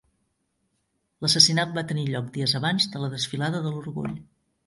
L'assassinat va tenir lloc dies abans de la desfilada de l'orgull.